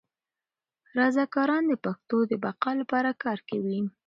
رضاکاران د پښتو د بقا لپاره کار کوي.